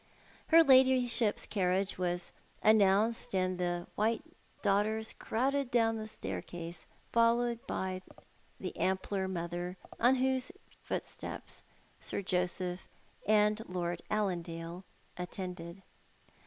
Her ladyship's carriage was announced, and the A Man' age de Coitvenance. 33 white daughters crowded down the staircase, followed by the ampler mother, on whose footsteps Sir Josej^h and Lord Allan dale attended.